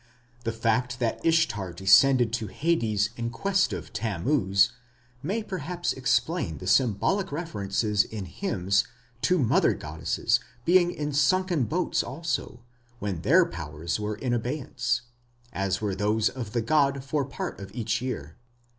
The fact that Ishtar descended to Hades in quest of Tammuz may perhaps explain the symbolic references in hymns to mother goddesses being in sunken boats also when their powers were in abeyance, as were those of the god for part of each year.